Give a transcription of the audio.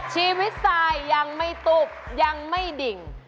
ชีวิตสายยังไม่ตุบยังไม่ดิ่ง